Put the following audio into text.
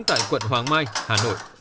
tại quận hoàng mai hà nội